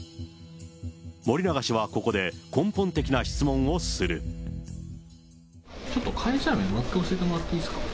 森永氏はここで、ちょっと会社名、もう一回教えてもらっていいですか。